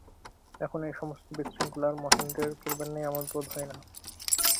এখন এই-সমস্ত বিশৃঙ্খলায় মহেন্দ্রের পূর্বের ন্যায় আমোদ বোধ হয় না।